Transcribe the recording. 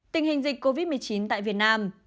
tình hình dịch covid một mươi chín tại việt nam